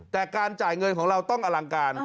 แต่การจ่ายเงินของเราต้องอลังการ